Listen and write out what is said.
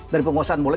dari penguasaan bola